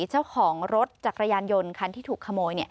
เจ้าของรถจักรยานยนต์คันที่ถูกขโมย